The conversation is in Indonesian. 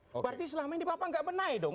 berarti selama ini bapak nggak benahi dong